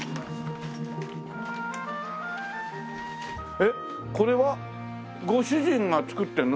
えっこれはご主人が作ってるの？